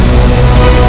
apa di dalamnya